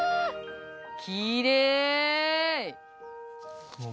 きれい！